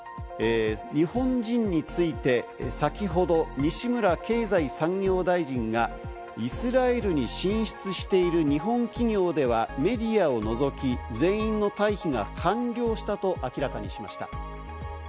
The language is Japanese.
日本人について、先ほど西村経済産業大臣がイスラエルに進出している日本企業では、メディアを除き、全員の退避が完了したと明らかにしました。